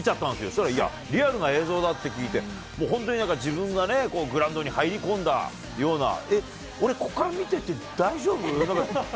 そしたらリアルな映像だって聞いて、もう本当になんか、自分がね、こうグラウンドに入り込んだような、えっ、俺ここから見てて、大丈夫？